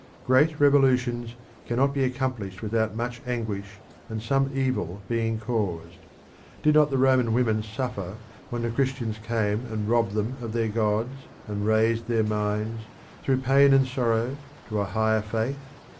Great revolutions cannot be accomplished without much anguish and some evil being caused. Did not the Roman women suffer when the Christians came and robbed them of their gods, and raised their minds, through pain and sorrow, to a higher faith?